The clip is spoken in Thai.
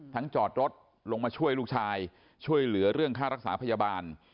จอดรถลงมาช่วยลูกชายช่วยเหลือเรื่องค่ารักษาพยาบาล